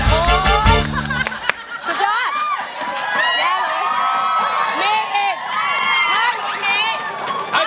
ถ้าลูกนี้ยังไง